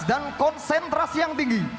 dan konsentrasi yang tinggi